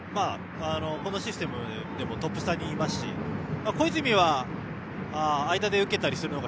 このシステムでもトップ下にいますし小泉は、間で受けたりするのが。